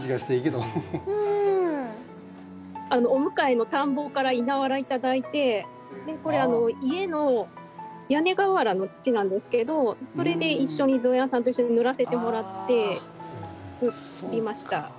お向かいの田んぼから稲わら頂いてこれ家の屋根瓦の土なんですけどそれで一緒に一緒に塗らせてもらって作りました。